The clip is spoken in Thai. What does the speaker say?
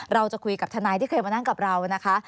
เราจะคุยกับทนายที่เคยมานั่งกับเรานะคะ